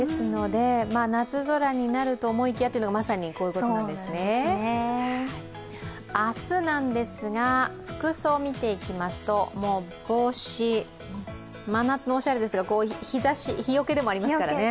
夏空になると思いきやというのが、まさにこういうことなんですね明日なんですが、服装を見ていきますと帽子、真夏のおしゃれですが日よけでもありますからね。